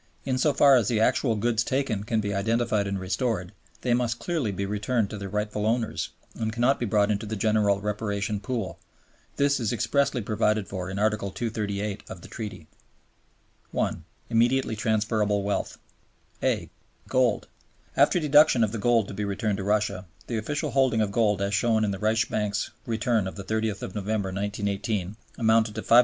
In so far as the actual goods taken can be identified and restored, they must clearly be returned to their rightful owners, and cannot be brought into the general reparation pool. This is expressly provided for in Article 238 of the Treaty. 1. Immediately Transferable Wealth (a) Gold. After deduction of the gold to be returned to Russia, the official holding of gold as shown in the Reichsbank's return of the 30th November, 1918, amounted to $577,089,500.